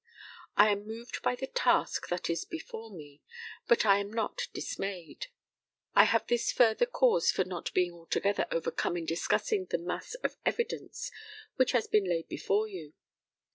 I am moved by the task that is before me, but I am not dismayed. I have this further cause for not being altogether overcome in discussing the mass of evidence which has been laid before you.